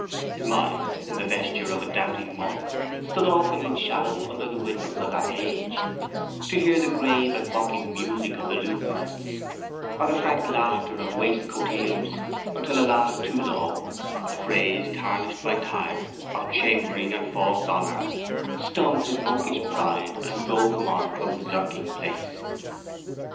His mind, in the vesture of a doubting monk, stood often in shadow under the windows of that age, to hear the grave and mocking music of the lutenists or the frank laughter of waistcoateers until a laugh too low, a phrase, tarnished by time, of chambering and false honour stung his monkish pride and drove him on from his lurking place.